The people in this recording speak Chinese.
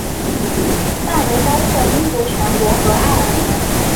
范围包括英国全国和爱尔兰。